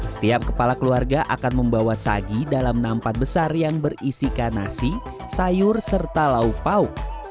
setiap kepala keluarga akan membawa sagi dalam nampat besar yang berisikan nasi sayur serta lauk pauk